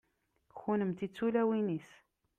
kunemti d tulawin-is